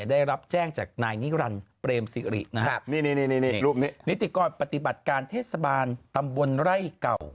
ได้รับแจ้งจากนายนิรันดิ์เปรมสิรินะครับนิติกรปฏิบัติการเทศบาลตำบลไร่เก่า